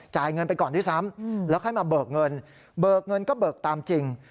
จ่ายเงินไปก่อนทีซ้ำแล้วใครมาเบิกเงินเบิกเงินก็เบิกตามจริง